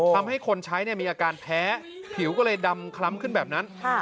ทำให้คนใช้มีอาการแพ้ผิวก็เลยดำคล้ำขึ้นแบบนั้น